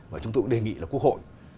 và chúng tôi cũng đề nghị là quốc hội